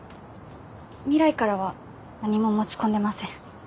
未来からは何も持ち込んでません。